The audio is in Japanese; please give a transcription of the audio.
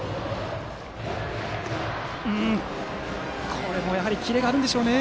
これもキレがあるんでしょうね。